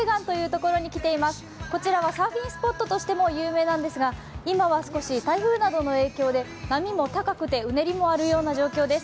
こちらはサーフィンスポットとしても有名なんですが今は少し台風などの影響で波も高くてうねりもある状況です。